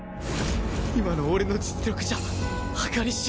今の俺の実力じゃ計り知れない